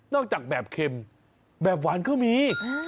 จากแบบเค็มแบบหวานก็มี